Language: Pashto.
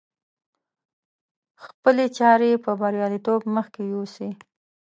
خپلې چارې په برياليتوب مخکې يوسي.